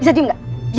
bisa diem gak